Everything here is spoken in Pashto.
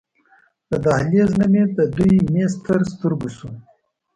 له دهلېز نه مې د دوی میز تر سترګو شو.